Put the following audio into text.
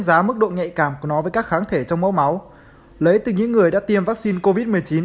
đánh giá mức độ nhạy cảm của nó với các kháng thể trong mẫu máu lấy từ những người đã tiêm vaccine covid một mươi chín